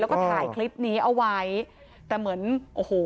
แล้วก็ถ่ายคลิปนี้เอาไว้แต่เหมือนโอ้โห